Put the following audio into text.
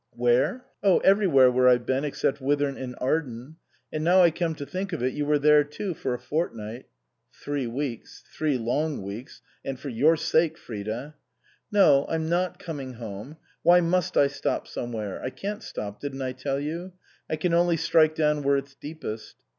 Where? Oh, everywhere where I've been, except Whithorn in Arden. And now I come to think of it, you were there too for a fortnight " ("three weeks three long weeks and for your sake, Frida I ")." No, I'm not ' coming home/ Why must I * stop some where '? I can't stop, didn't I tell you ? I can only strike down where it's deepest.